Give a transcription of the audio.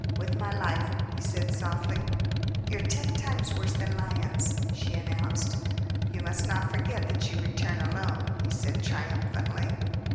"With my life," he said softly. "They're ten times worse than lions," she announced. "You must not forget that you return alone," he said triumphantly.